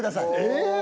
えっ。